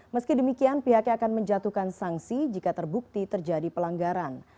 meski demikian pihaknya akan menjatuhkan sanksi jika terbukti terjadi pelanggaran